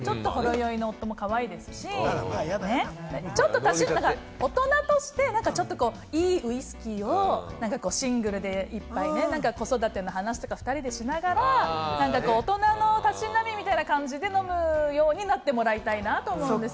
ちょっとほろ酔いの夫もかわいいですし、大人として、ちょっと、いいウイスキーをシングルで１杯、子育ての話とか２人でしながら、大人のたしなみみたいな感じで飲むようになってもらいたいなと思うんですよ。